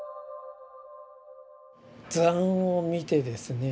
図案を見てですね